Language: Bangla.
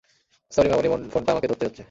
সরি, মামনি, ফোনটা আমাকে ধরতেই হচ্ছে।